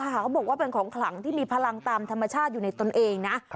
เขาบอกว่าเป็นของขลังที่มีพลังตามธรรมชาติอยู่ในตนเองนะ